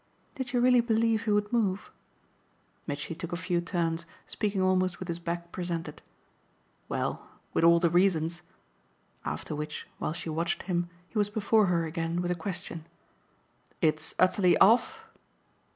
"Did you really believe he would move?" Mitchy took a few turns, speaking almost with his back presented. "Well, with all the reasons !" After which, while she watched him, he was before her again with a question. "It's utterly off?"